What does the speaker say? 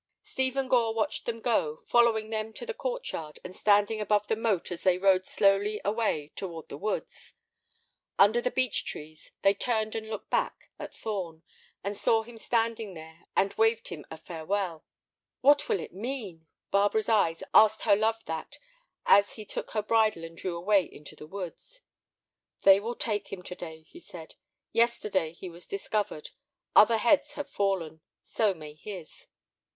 Stephen Gore watched them go, following them to the court yard, and standing above the moat as they rode slowly away toward the woods. Under the beech trees they turned and looked back at Thorn, and saw him standing there, and waved him a farewell. "What will it mean?" Barbara's eyes asked her love that as he took her bridle and drew away into the woods. "They will take him to day," he said; "yesterday he was discovered. Other heads have fallen; so may his."